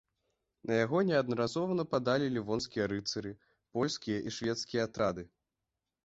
На яго неаднаразова нападалі лівонскія рыцары, польскія і шведскія атрады.